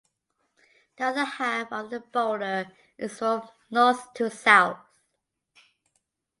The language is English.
The other half of the boulder is from north to south.